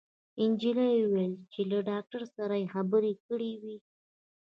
انجلۍ وويل چې له ډاکټر سره يې خبرې کړې وې